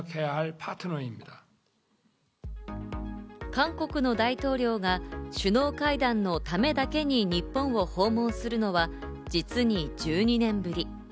韓国の大統領が首脳会談のためだけに日本を訪問するのは、実に１２年ぶり。